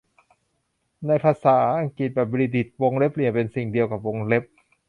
ในภาษาอังกฤษแบบบริติช วงเล็บเหลี่ยมเป็นสิ่งเดียวกับวงเล็บ